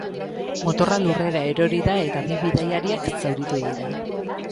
Motorra lurrera erori da, eta bi bidaiariak zauritu dira.